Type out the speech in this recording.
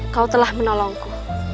kau telah menolongku